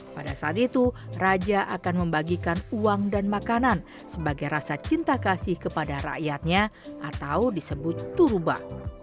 pada saat itu raja akan membagikan uang dan makanan sebagai rasa cinta kasih kepada rakyatnya atau disebut turuba